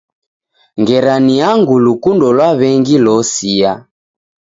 Ngera ni angu lukundo lwa w'engi losia.